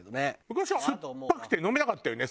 昔は酸っぱくて飲めなかったよね。